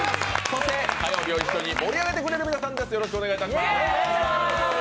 そして火曜日を一緒に盛り上げてくれる皆さんです。